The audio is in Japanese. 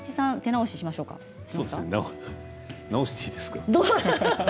直していいですか？